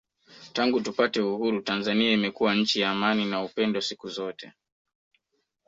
Tangu tupate Uhuru Tanzania imekuwa nchi ya amani na upendo siku zote